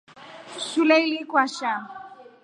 Shule ili kwasha.